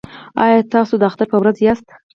ایا تاسو د اختر په ورځ یاست؟